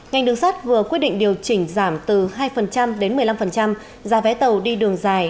ngành đường sắt vừa quyết định điều chỉnh giảm từ hai đến một mươi năm giá vé tàu đi đường dài